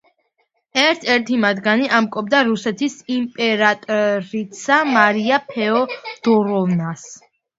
ერთ-ერთი მათგანი ამკობდა რუსეთის იმპერატრიცა მარია ფეოდოროვნას.